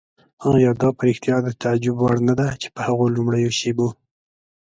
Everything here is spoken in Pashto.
آیا دا په رښتیا د تعجب وړ نه ده چې په هغو لومړیو شېبو.